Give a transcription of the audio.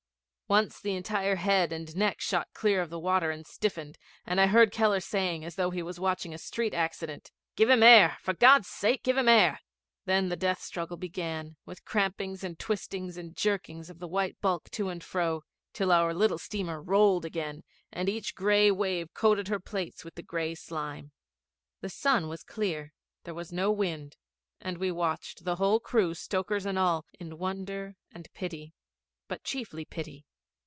Once the entire head and neck shot clear of the water and stiffened, and I heard Keller saying, as though he was watching a street accident, 'Give him air. For God's sake, give him air.' Then the death struggle began, with crampings and twistings and jerkings of the white bulk to and fro, till our little steamer rolled again, and each gray wave coated her plates with the gray slime. The sun was clear, there was no wind, and we watched, the whole crew, stokers and all, in wonder and pity, but chiefly pity.